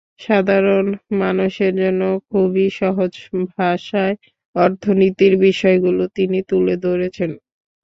সাধারণ মানুষের জন্য খুবই সহজ ভাষায় অর্থনীতির বিষয়গুলো তিনি তুলে ধরেছেন।